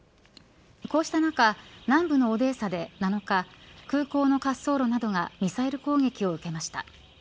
こうした中南部のオデーサで７日空港の滑走路などがミサイル攻撃を受けました。